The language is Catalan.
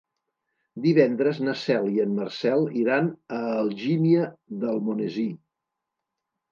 Divendres na Cel i en Marcel iran a Algímia d'Almonesir.